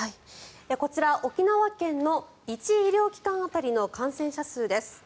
こちら、沖縄県の１医療機関当たりの感染者数です。